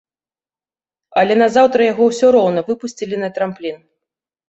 Але назаўтра яго ўсё роўна выпусцілі на трамплін.